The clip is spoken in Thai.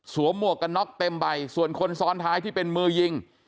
หมวกกันน็อกเต็มใบส่วนคนซ้อนท้ายที่เป็นมือยิง